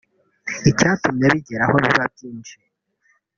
Icyatumye bigera aho biba byinshi